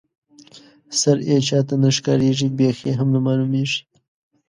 سر یې چاته نه ښکاريږي بېخ یې هم نه معلومیږي.